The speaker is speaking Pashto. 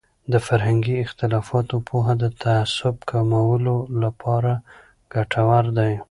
د فرهنګي اختلافاتو پوهه د تعصب کمولو لپاره ګټوره دی.